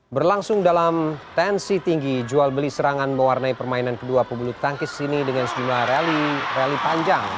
berlangsung dalam tensi tinggi jual beli serangan mewarnai permainan kedua pebulu tangkis ini dengan sejumlah rally panjang